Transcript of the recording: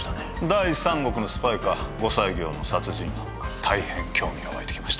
第三国のスパイか後妻業の殺人犯か大変興味が湧いてきました